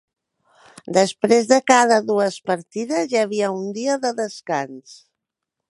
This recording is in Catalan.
Després de cada dues partides hi havia un dia de descans.